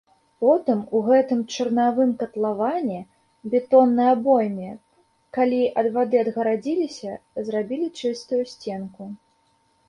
Потым у гэтым чарнавым катлаване, бетоннай абойме, калі ад вады адгарадзіліся, зрабілі чыстую сценку.